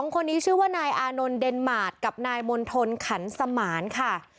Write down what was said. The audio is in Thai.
๒คนนี้ชื่อว่านายอนัรเดนมาสต์กับนายมนธนขันสมารค่ะ